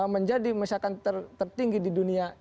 menjadi misalkan tertinggi di dunia